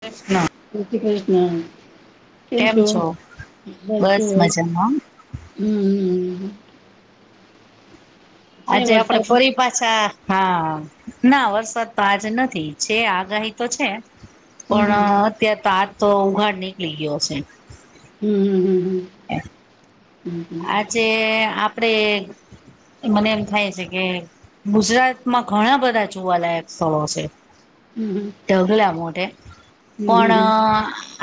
પ્રશ્ન જય શ્રી કૃષ્ણ કેમ છો બસ શું હોય હમ્મ. છે આજે આપડે વરસાદ ફરી પાછા, હા. ના, વરસાદ તો આજે નથી. છે આગાહી તો છે. હમ પણ અત્યારે તો આજ તો ઉઘાડ નિકલી ગ્યો અશે. હમ્મ, હમ્મહ. જે આપડે મને એમ થાય છે કે ગુજરાતમાં ઘણા બધા જોવાલાયક સળો અસે. અમ્મહ. ઢગલા મોઢે પણ અ...... હમ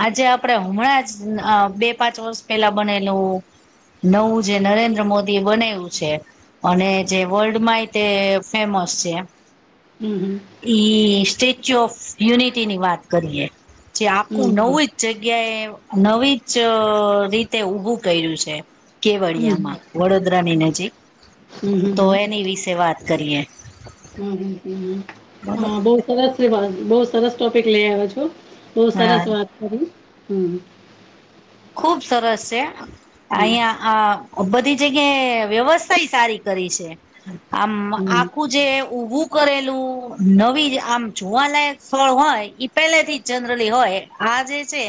આજે આપડે હુંમણાં જ અ બે-પાંચ વસ પેલા બનેલું. નવુ જે નરેન્દ્ર મોદી એ બનાયવુ છે. અને જે વર્લ્ડ માંય તે ફેમસ છેમ. હમ્મ, હમ્મ. ઈ સ્ટેચ્યુ ઓફ યુનિટી ની વાત કરીએ. જે આખું નવું જ જગ્યાએ, નવી જ રીતે ઉભું કયરુ છે. હમ કેવડિયામાં વડોદરાની નજીક, તો હમ એની વિસે વાત કરીએ. હમ્મહ, અમ્મ. બરોબર હા, બોવ સરસ વાત. બો સરસ ટોપિક લેઇ આવ્યા છો. બો હા સરસ વાત. કરી? હમ્મ. ખુબ સરસ સે. અઈયાં હા, બધી જગ્યાએ વ્યવસ્થાય સારી કરી છે. આમ, આખું જે ઉભું કરેલું, નવી જ આમ જોવાલાયક સ્થળ હોય ઈ પેલેથી જ જનરલી હોય. આ જે છે,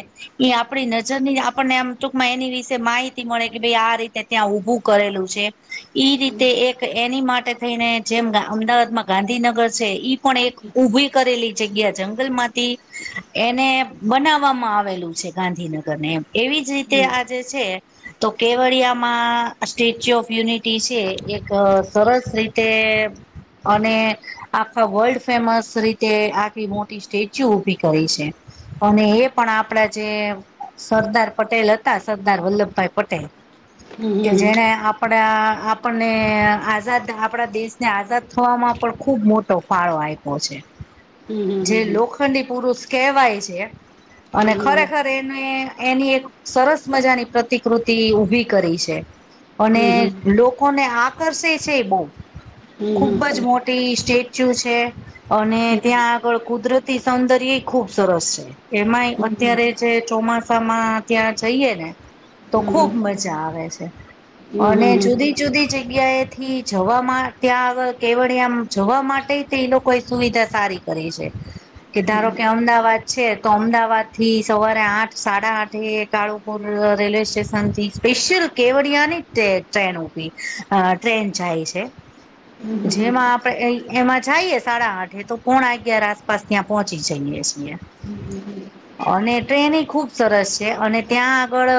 ઈ આપડી નજરની આ પન્ને આમ ટૂંકમાં, એની વિસે માહિતી મળે કે ભાઈ આ રીતે ત્યાં ઊભું કરેલું છે. ઈ રીતે એક એની માટે થઈ ને, જેમ ગાં અમદાવાદમાં ગાંધીનગર છે ઈ પણ એક ઊભી કરેલી જગ્યા જંગલમાંથી એને બનાવામાં આવેલું છે. ગાંધીનગર ને એમ. એવી જ યીતે આ જે છે. તો કેવડિયામાં સ્ટેચ્યુ ઓફ યુનિટી સે, એક સરસ રીતે અને આખા વર્લ્ડ ફેમસ રીતે આખી મોટી સ્ટેચ્યુ ઊભી કયી છે. અને એ પણ આપડા જે સરદાર પટેલ હતા, સરદાર વલ્લભભાઈ પટેલ. કે જેણે આપડણા આપણને આઝાદ આપણા દેશ ને આઝાદ થવામાં પણ ખુબ મોટો ફાળો આયપો છે. જે લોખંડી પુરુષ કેવાય છે અને ખરેખર એને એની એક સરસ મજાની પ્રતિકૃતિ ઊભી કરી છે. અને હમ લોકોને આકર્ષે છે બો, ખુબ જ મોટી સ્ટે ચ્યુ છે અને ત્યાં આગળ કુદરતી સૌંદર્યે ખુબ સરસ છે. એમાંય અત્યારે જે ચોમાસ સમાં ત્યાં જઈએ ને, તો ખુબ મજા આવે છે. અને જુદી જુદી જગ્યાએ થી જવામાં ત્યાં આગળ કેવળિયામ્મ જવા માટેય તેય લોકોએ સુવિધા સારી કરી છે. કે ધારો કે, અમદાવાદ છે તો અમદાવાદ થી સવારે આઠ સાડા આઠે કાળુપુર અ રેલવે સ્ટેશન થી સ્પેશિયલ કેવડિયા ની તે ટ્રેન ઉભી અહ ટ્રેન જાય છે. [inaudible] જેમાં આપ તો ઐ એમાં જાઈએ સાડા આઠે, તો પોણાં અગિયાર આસપાસ ત્યાં પહોંચી જઈએ છીએ. હમ્મ-હમ્મ-હમ્મ. અને ટ્રેન એઈ ખૂબ સરસ છે. અને ત્યાં આગળ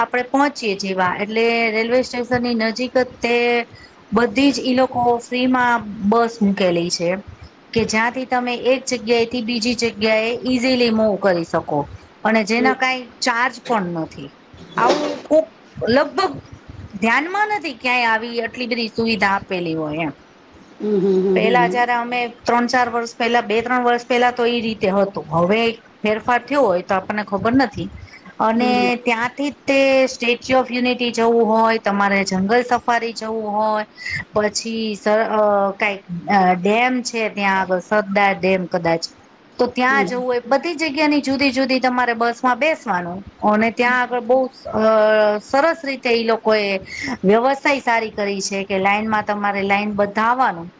આપણે પહોંચીએ જેવા, એટલે રેલવે સ્ટેશનની નજીક ત તે બધી જ ઈ લોકો ફ્રીમાં બસ મૂકેલી છે એમ. કે જ્યાંથી તમે એક જગ્યાએથી બીજી જગ્યાએ ઈઝીલી મૂવ કરી શકો. અને જેના કાંઈ ચાર્જ પણ નથી. આવું કોક લગભગ ધ્યાનમાં નથી ક્યાંય આવી અટલી બધી સુવિધા આપેલી હોય એમ. પહેલા હમ હમ જયારે અમે ત્રણ-ચાર વર્ષ પહેલા, બે-ત્રણ વર્ષ પહેલા તો ઈ રીતે હતો. હવે ફેરફાર થયો હોય તો આપણને ખબર નથી. અને હમ હમ ત્યાંથી તે સ્ટેચ્યુ ઓફ યુનિટી જવું હોય, તમારે જંગલ સફારી જવું હોય પછી સ અહ કાંઈક ડેમ છે ત્યાં આગળ સરદાર ડેમ કદાચ. તો અમે ત્યાં જવું હોય. બધી જગ્યાની જુદી-જુદી તમારે બસ માં બેસવાનું, અને ત્યાં આગળ બહું અહ સરસ રીત તે ઈ લોકો એ વ્યવસ્થાઈ સારી કરી છે, કે લાઈનમાં તમારે લાઈન બધાવાનું.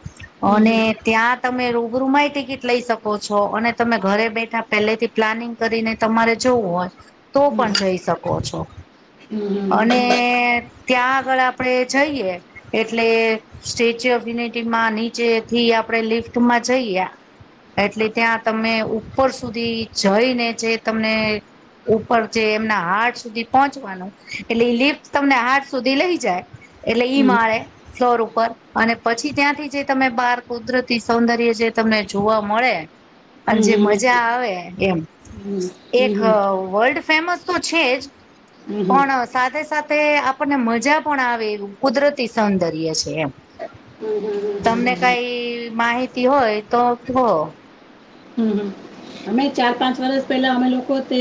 અને ચાર ત્યાં તમે રૂબરૂમાંય ટિકિટ લઈ શકો છો, અને તમે ઘરે બેઠા પહેલેથી પ્લાનિંગ કરીને તમારે જવું હોય તો પણ જઈ શકો છો. અને ત્યાં આગળ આપણે જઈએ એટલે સ્ટેચ્યુ ઓફ યુનિટીમાં નીચે થી આપણે લિફ્ટમાં જઈએ એટલે ત્યાં તમે ઉપર સુધી જઈને જે તમને ઉપર જે એમનાં હાર્ટ સુધી પહોંચવાનું. એટલે ઈ તમને હાર્ટ સુધી લઈ જાય. એટલે ઈ માળે ફ્લોર ઉપર. અને પછી ત્યાંથી જે તમે બહાર કુદરતી સૌંદર્ય જે તમને જોવા મળે [inaudible] અન જે મજા આવે એમ. હમ્મ. એક વર્લ્ડ ફેમસ તો છે જ. પણ સાથે-સાથે આપણને મજા પણ આવે એવું કુદરતી સૌંદર્ય છે એમ. [inaudible] હમ્મ-હમ્મ-હમ્મ. તમને કાંઈ માહિતી હોય તો કહો. હમ્મ-હમ્મ. અમે ચાર-પાંચ વરસ પહેલા અમે લોકો તે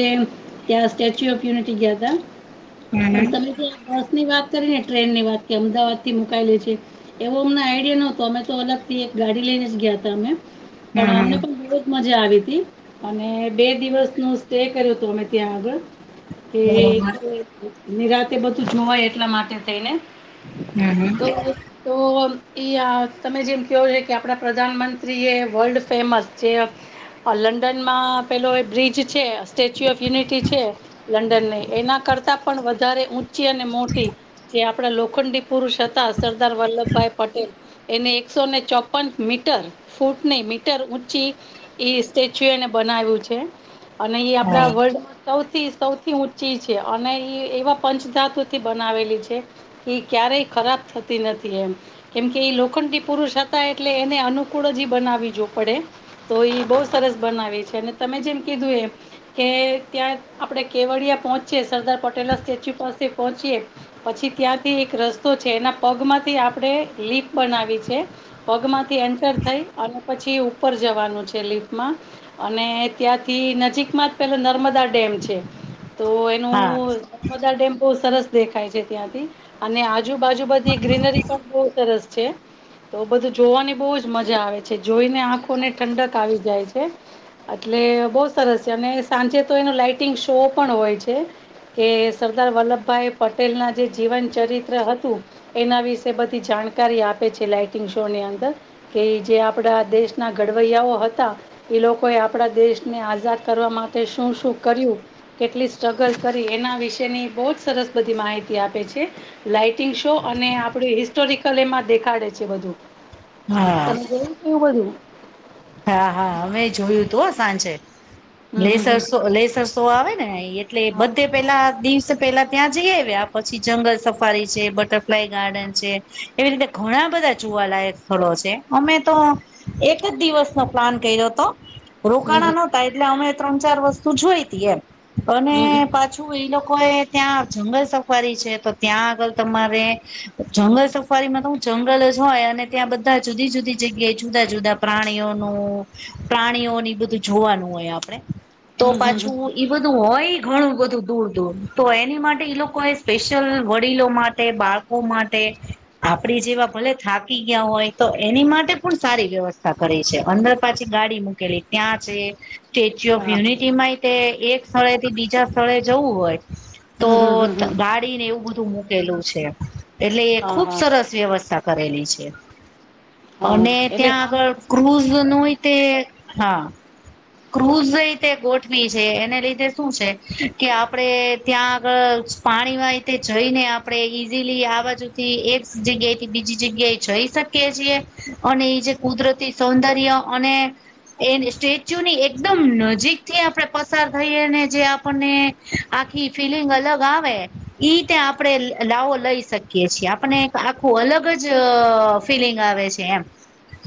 ત્યાં સ્ટેચ્યુ ઓફ યુનિટી ગયા તા. હમ પણ હમ તમે જે બસ ની વાત કરી ને ટ્રેન ની વાત, કે અમદાવાદ થી મુકાયેલી છે એવો અમને આઈડિયા નતો. અમે તો અલગથી એક ગાડી લઈને જ ગયા તા અમે. પણ હમ અમને હમ તો બહોત મજા આવી તી. અને બે દિવસ નો સ્ટે કર્યો તો અમે ત્યાં આગળ. બરોબર [unintelligible] નીરાતે બધું જોવાય એટલા માટે થઈને. હમ તો તો ઈ આ તમે જેમ કહ્યો છો, કે આપણા પ્રધાનમંત્રી એ વર્લ્ડ ફેમસ છે. અહ લંડનમાં પહેલો એ બ્રિજ છે સ્ટેચ્યુ ઓફ યુનિટી છે લંડનની એના કરતાં પણ વધારે ઊંચી અને મોટી જે આપણા લોખંડી પુરુષ હતા સરદાર વલ્લભભાઈ પટેલ એને એકસો ને ચોપન મીટર ફૂટની મીટર ઊંચી એ સચ છ અને બનાવ્યું છે અને એ આપણા હમ વર્લ્ડ સૌથી સૌથી ઊંચી છે અને એ એવા પંચ ધાતુથી બનાવેલી છે. એ ક્યારેય ખરાબ થતી નથી એમ કેમકે એ લોખંડી પુરુષ હતા એટલે એને અનુકૂળ જ બનાવી જોવ પડે તો એ બહ સરસ બનાવે છે અને તમે જેમ કીધું એમ કે ત્યાં આપડે કેવડિયા પહોંચીે સરદાર પટેલ ના સ્ટેચ્યુ પાસે પહોંચીય પછી ત્યાંથી એક રસ્તો છે એના પગમાંથી આપણે લીફ બનાવી છે. પગ માંથી એન્ટર થઈ અને પછી ઉપર જવાનું છે લિફ્ટ અને ત્યાંથી નજીકમાં પેલા નર્મદા ડેમ છે તો એનું હા નર્મદા ટેમ્પો સરસ દેખાય છે ત્યાંથી અને આજુબાજુ બધી પણ સરસ છે. તો બધું જોવાની બહુ જ મજા આવે છે જોઈને આંખોને ઠંડક આવી જાય છે. એટલે બહુ સરસ છે અને સાંજે તો એનો લાાઈટિંગ શો પણ હોય છે. કે સરદાર વલ્લભભાઈ પટેલના જે જીવન ચરિત્ર હતું. એના વિશે બધી જાણકારી આપે છે લાાઈટિંગ શો ની અંદર કે જે આપડા દેશના ઘડવૈયાઓ હતા એ લોકોએ આપણા દેશને આઝાદ કરવા માટે શું શું કર્યું કેટલી સ્ટ્રગલ કરી એના વિશેની બહુ જ સરસ બધી માહિતી આપે છે. લાાઈટિંગ શો અને આપડું હિસ્ટોરિકલ એમાં દેખાડે છે બધું હા હા તમે જોયું કેવું બધું હા હા અમે જોયું તું સાંજે હમ લેસર હમ શો લેસર શો આવે ને એટલે બધે પેલા દિવસે પેલા ત્યાં જઈ આવ્યા પછી જંગલ સફારી છે બટરફ્લાય ગાર્ડન છે. એવી રીતે ઘણા બધા ચુવાલાયક સ્થળો છે અમે તો એક જ દિવસ પ્લાન કર્યો તો રોકાણા નતા એટલે અમે ત્રણ ચાર વસ્તુ જોઈતી એમ હમ અને હમ પાછું શું એ લોકો એ ત્યાં જંગલ સફારી છે તો ત્યાં આગળ તમારે જંગલ સફારી માં તો હું જંગલ જ હોય અને ત્યાં બધા જુદી જુદી જગ્યાએ જુદા જુદા પ્રાણીઓ પ્રાણીઓની બધું જોવાનું હોય આપણે તો હમ હમ હમ પાછું હમ બધું હોય ઘણું બધું દૂર દૂર તો એની માટે ઈ લોકો એ સ્પેશિયલ વડીલો માટે બાળ માટે આપડી જેવા ભલે થાકી ગયા હોય તો એની માટે પણ સારી વ્યવસ્થા કરે છે. અંદર પાછી ગાડી મૂકેલી ત્યાં છે સ્ટેચ્યુ ઓફ હા યુનિટી માં સ્થળેથી બીજા જવું હોય તો હમ હમ હમ હમ ગાડી ને એવું બધું મૂકેલું છે એટલે એ હા ખુબ હા સરસ વ્યવસ્થા કરેલી છે હા અને એટલે ત્યાં આગળ સામા ક્રૂઝ ન તે હા ક્રૂઝ રીતે ગોઠવી છે એને લીધે શું છે કે આપડે ત્યાં આગળ પાણી વાય તે જઈને આપણે ઈઝીલી આ બાજુથી એક જગ્યાએ થી બીજી જગ્યાએ જઈ શકીએ અને એ જે કુદરતી સૌંદર્ય અને એ જૂની એકદમ નજીક થી આપણે પસાર થઈ અને જે આપણને આખી ફિલિંગ અલગ આવે ઈ ત્યાં આપણે લાવો લઈ શકીયએ છીએ આપને એક આખું અલગ જ ફીલિંગ આવે છે એ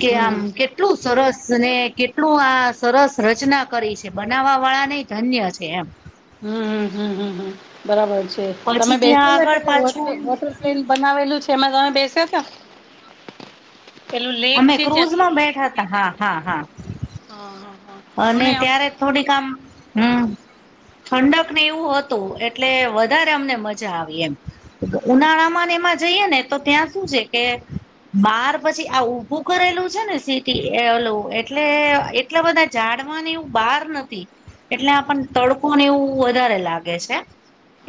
કે હમ આમ હમ કેટલું સરસ ને કેટલું આ સરસ રચના કરી છે બનાવવા વાળા નને ધન્ય છે એમ હમ બરાબર છે તમે પછી ત્યાં બેસેલા કે આગળ પાછું વૉટર્લ્પ્લેન બનાવેલું છે એમાં તમે બેસ ત અમે ક્રુઝમાં બેઠા હતા હા હા હા હા હા હા અને અમને ત્યારે થોડીક આમ હમ ઠંડક ને એવું હતું એટલે વધારે અમને મજા આવી એમ ઉનાળામાંને એમાં જઈએ ને તો ત્યાં શું છે કે બાર પછી આ ઉભું કરેલું છે ને સીટી ઓલું એટલે એટલા બધા જાડવાને એવું બહાર નથી એટલે આપણને તડકોને એવું વધારે લાગે છે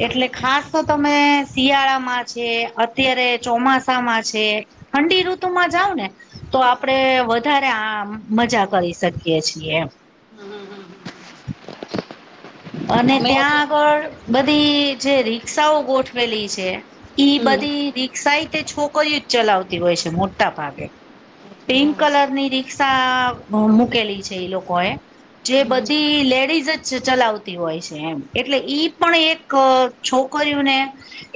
એટલે ખાસ તો તમે શિયાળામાં છે અત્યારે ચોમાસામાં છે ઠંડી ઋતુમાં જાવ ને તો આપડે વધારે આ મજા કરી શકીએ છીએ એમ હમ હ હમ હ અને ત્યાં આગળ બધી જે રિક્ષાઓ ગોઠવેલી છે ઈ હમ બધી રિક્ષા એ તે છોકરીઓ જ ચલાવતી હોય છે મોટા ભાગે અચ્છા પિંક હા હા કલરની રિક્ષા મૂકેલી છે એ લોકોએ જે બધી લેડીઝ જ ચલાવતી હોય છે એમ એટલે ઈ પણ એક છોકરીઓને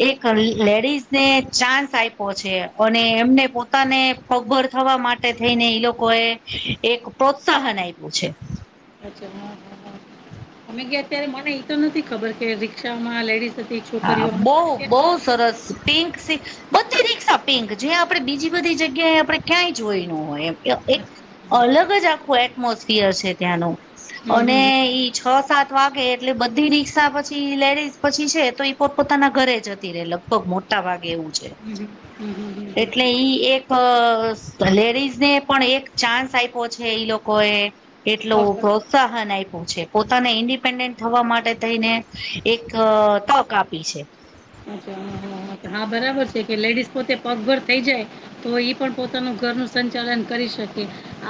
એક લેડીઝ ને ચાન્સ આપ્યો છે અને એમને પોતાને પગભર થવા માટે થઈને ઈ લોકોએ એક પ્રોત્સાહન આપ્યું છે. અચ્છા હમ હમ અમે ગયા અત્યારે મને એતો નથી ખબર કે રિક્ષામાં લેડીસજ બે હા છોકરીયો બહુ બહુ [unintelligible] સરસ પિંક સીક્સ બધી રીક્ષા પિંક જે આપણે બીજી બધી જગ્યાએ આપણે ક્યાંય જોઈનો હોય એમ અલગ જ આખું એટમોસફિયર છે ત્યાંનુ હમ અને હમ ઈ છ સાત વાગે એટલે બધી રિક્ષા પછી લેડીઝ પછી છે તો ઈ પોત પોતાના ઘરે જતી રહે લગભગ મોટા ભાગે એવું છે હ હ એટલે ઈ એક લેડીઝ ને પણ એક ચાન્સ આપ્યો છે ઈ લોકો એ એટલુ પગ પર પ્રોત્ સાહન આપ્યું છે પોતાને ઇન્ડિપેન્ડન્ટ થવા માટે થઈને એક તક આપી છે અચ્છા હમ હમ હા બરાબર છે કે લેડીસ પોતે પગભર થઈ જાય તો ઈ પણ પોતાનું ઘર નુ સંચાલન કરી શકે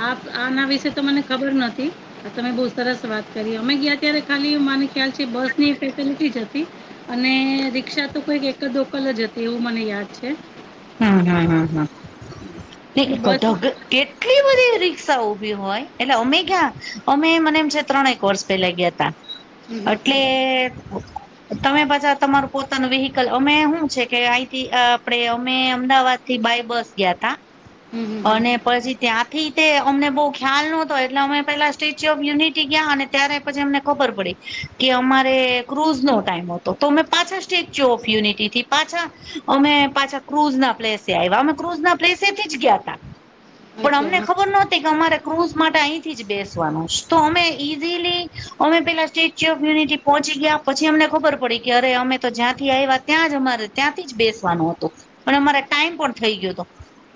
આ આના વિશે તો મને ખબર નો હતી તમે બહુ સરસ વાત કરી અમે ગયા ત્યારે ખાલી મને ખ્યાલ છે બસ ની ફેસેલિટી જ હતી અને રીક્ષા તો કોઈક એકલ દોકલ જ હતી એવું મને યાદ છે હમ હમ હમ હમ અને ન બસ કોટો [unintelligible] કેટલી બધી રિક્ષા ઉભી હોય એટલે અમે ગ્યા અમે મને એમ છે ત્રણેક વર્ષ પેલા ગયા તા એટલે તમે પાછા તમારું પોતાનું વિહિકલ અમે હું છે કે અહીથી આપણે અમે અમદાવાદ થી બાય બસ ગયા તા હમ, હમ, હમ. અને પછી ત્યાંથી તે અમને બહુ ખ્યાલ નહોતો એટલે અમે પેલા સ્ટેચ્યુ ઓફ યુનિટી ગયા અને ત્યારે પછી અમને ખબર પડી કે અમારે ક્રુઝ નો ટાઈમ હતો તો અમે પાછા સ્ટેચ્યુ ઓફ યુનીટી થી પાછા અમે પાછા ક્રૂઝ ના પ્લેસે આવ્યા અમે ક્રૂઝ ના પ્લેસેથી જ ગયા તા પણ અચ્છા, અમને હા. ખબર નોહતી અમારે ક્રૂઝ માટે અહીંથી જ બેસવાનું તો અમે ઈઝીલી અમે પેલા સ્ટેચ્યુ ઓફ યુનિટી પહોંચી ગયા પછી અમને ખબર પડી કે અરે અમે તો જ્યાંથી આવ્યા ત્યાં જ અમારે ત્યાંથી જ બેસવાનો હતો પણ અમારે ટાઈમ પણ થઈ ગયો હતો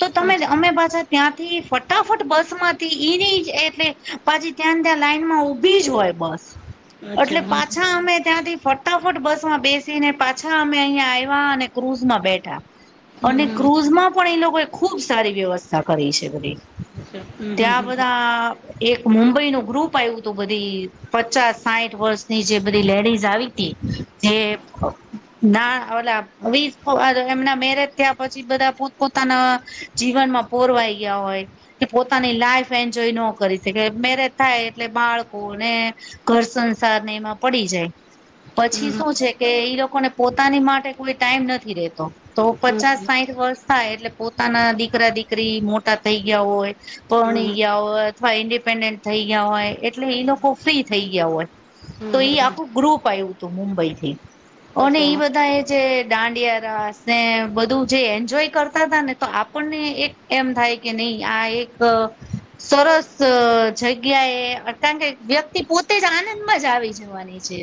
તો તમે અચ્છા, અમે પાછા ત્યાંથી ફટાફટ બસમાંથી ઈની જ એટલે પછી ત્યાં ત્યાં લાઈન માં ઊભી જ હોય બસ [inaudible] અટલે હા. પાછા અમે ત્યાંથી ફ ફટાફટ બસ માં બેસીને પાછા અમે અહીયાં આયવા અને ક્રુઝમાં બેઠા હમ, અને હમ, હમ. ક્રૂઝમાં પણ એ લોકોએ ખૂબ સારી વ્યવસ્થા કરી છે બધી અચ્છા. હમ, હમ, હમ, હમ. ત્યાં હમ, બધા એક મુંબઈનું ગ્રુપ આવ્યું હતું બધી પચાસ સાઈઠ વર્ષની જે બધી લેડીઝ આવી હતી જે ના [unintelligible] મેરેજ થયા પછી બધા પોતપોતાના જીવનમાં પોરવાઈ ગયા હોય કે પોતાની લાઈફ એન્જોય ન કરી શકે મેરેજ થાય એટલે બાળકોને ઘર સંસાર ને એમાં પડી જાય પછી શું છે કે ઈ લોકોને પોતાને માટે કોઈ ટાઈમ નથી રહેતો તો હમ. પચાસ સાઈઠ વર્ષ થાય એટલે પોતાના દીકરા દીકરી મોટા થઈ ગયા હોય હમ, ભણી હમ. ગયા હોય અથવા ઇન્ડિપેન્ડન્ટ થઈ ગયા હોય એટલે ઈ લોકો ફ્રી થઈ ગયા હોય. તો ઈ આખું ગ્રુપ આવ્યું હતું મુંબઈથી અને અચ્છા, ઈ હા. બધા એ જે દાંડિયા રાશે [inaudible] બધું જે એન્જોય કરતા હતાા ને તો આપણને એક એમ થાય કે નહી આ એક સરસ જગ્યા અ [unintelligible] કારણ કે વ્યક્તિ પોતે જ આનંદમાં જ આવી જવાની છે